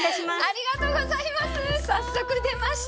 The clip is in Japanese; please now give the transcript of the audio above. ありがとうございます！